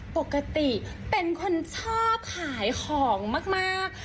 ปกติเป็นคนชอบขายของมาก